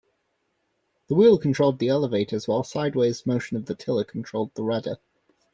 The wheel controlled the elevators while sideways motion of the tiller controlled the rudder.